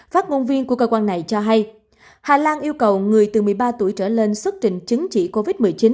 phát ngôn viên của cơ quan này cho hay hà lan yêu cầu người từ một mươi ba tuổi trở lên xuất trình chứng chỉ covid một mươi chín